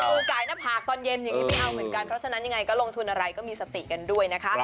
ไก่หน้าผากตอนเย็นอย่างนี้ไม่เอาเหมือนกันเพราะฉะนั้นยังไงก็ลงทุนอะไรก็มีสติกันด้วยนะคะ